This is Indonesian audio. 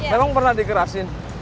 memang pernah dikerasin